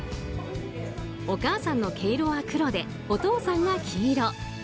お母さんの毛色は黒でお父さんが黄色。